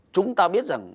chúng ta biết rằng